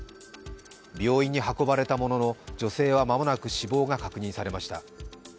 病院に運ばれたものの、女性は間もなく死亡が確認されました。